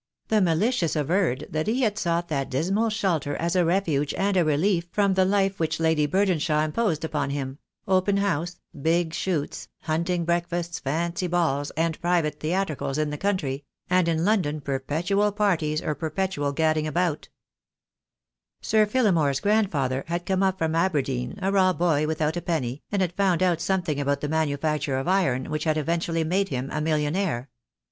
The malicious averred that he had sought that dismal shelter as a refuge and a relief from the life which Lady Burdenshaw imposed upon him — open house, big shoots, hunting breakfasts, fancy balls, and private theatricals in the country; and in London perpetual parties or perpetual gadding about. THE DAY WILL COME. 0, Sir Phillimore's grandfather had come up from Aber deen, a raw boy without a penny, and had found out something about the manufacture of iron which had eventually made him a millionaire.